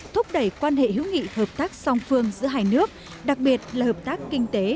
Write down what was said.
thúc đẩy quan hệ hữu nghị hợp tác song phương giữa hai nước đặc biệt là hợp tác kinh tế